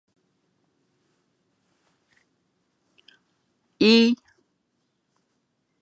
資淺的